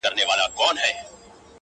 په ساز جوړ وم؛ له خدايه څخه ليري نه وم؛